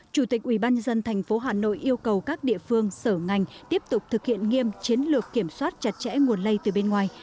chủ tịch ubnd tp hà nội yêu cầu các địa phương sở ngành tiếp tục thực hiện nghiêm chiến lược kiểm soát chặt chẽ nguồn lây từ bên ngoài